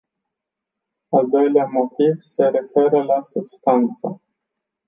Al doilea motiv se referă la substanță.